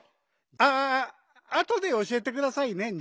ああとでおしえてくださいねんじゃ。